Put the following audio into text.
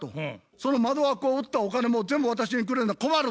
「その窓枠を売ったお金も全部私にくれな困る」。